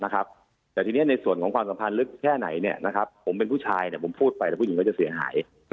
แต่ทีนี้ในส่วนของความสัมพันธ์ลึกแค่ไหนผมเป็นผู้ชายผมพูดไปแต่ผู้หญิงก็จะเสียหาย